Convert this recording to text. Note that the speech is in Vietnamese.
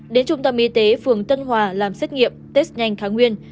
đến trung tâm y tế phường tân hòa làm xét nghiệm test nhanh kháng nguyên